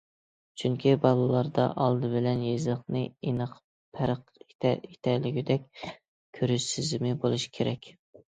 چۈنكى بالىلاردا، ئالدى بىلەن، يېزىقنى ئېنىق پەرق ئېتەلىگۈدەك كۆرۈش سېزىمى بولۇشى كېرەك.